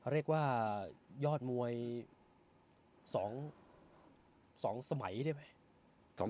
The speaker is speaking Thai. เรียกว่ายอดมวย๒สมัยได้ไหม